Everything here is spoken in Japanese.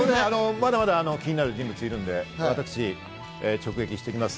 まだまだ気になる人物がいるので私直撃してきます。